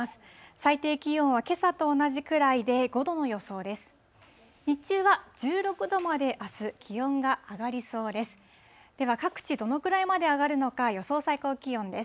最低気温はけさと同じくらいで、５度の予想です。